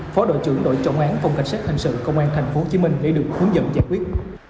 phó đội trưởng đội trọng án phòng cảnh sát hình sự công an tp hcm để được hướng dẫn giải quyết